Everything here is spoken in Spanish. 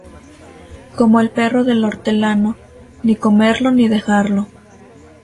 Como el perro del hortelano, ni comerlo ni dejarlo